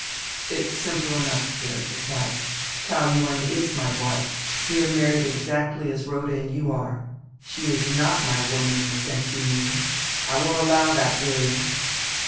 "It's simple enough," Gerrit replied; "Taou Yuen is my wife, we are married exactly as Rhoda and you are. She is not my woman in the sense you mean. I won't allow that, William."